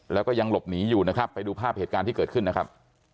แล้วก็ยังหลบหนีอยู่นะครับไปดูภาพเหตุการณ์ที่เกิดขึ้นนะครับ